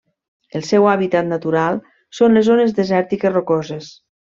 El seu hàbitat natural són les zones desèrtiques rocoses.